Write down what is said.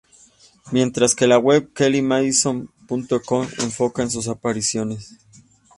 Mientras que la web KellyMadison.com enfoca en sus apariciones.